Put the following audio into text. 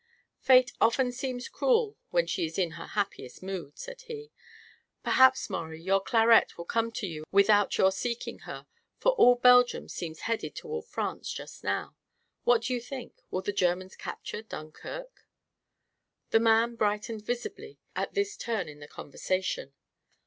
"Fate often seems cruel when she is in her happiest mood," said he. "Perhaps, Maurie, your Clarette will come to you without your seeking her, for all Belgium seems headed toward France just now. What do you think? Will the Germans capture Dunkirk?" The man brightened visibly at this turn in the conversation.